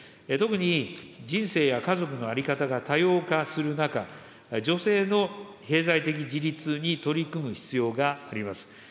特に人生や家族の在り方が多様化する中、女性の経済的自立に取り組む必要があります。